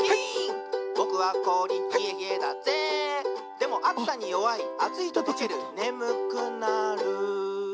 「でもあつさによわいあついととけるねむくなる」